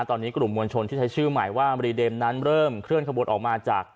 ตอนนี้กลุ่มมวลชนที่ใช้ชื่อใหม่ว่ามรีเดมนั้นเริ่มเคลื่อนขบวนออกมาจาก